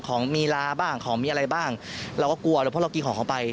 ของมีลาบ้างของมีอะไรบ้างเราก็กลัวเลยเพราะเรากินของเขาไป